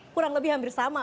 kurang lebih hampir sama